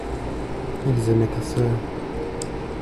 Ils aimaient ta sœur.